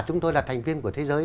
chúng tôi là thành viên của thế giới